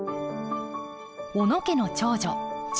小野家の長女純子。